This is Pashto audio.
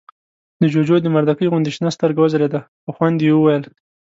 د جُوجُو د مردکۍ غوندې شنه سترګه وځلېده، په خوند يې وويل: